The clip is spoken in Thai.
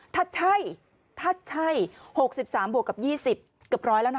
ถ้าใช่๖๓บวกกับ๒๐ก็เกือบร้อยแล้วนะคะ